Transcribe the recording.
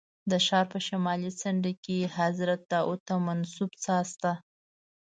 د ښار په شمالي څنډه کې حضرت داود ته منسوب څاه شته.